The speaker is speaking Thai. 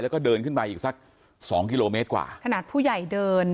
แล้วก็เดินขึ้นไปอีกสักสองกิโลเมตรกว่าขนาดผู้ใหญ่เดิน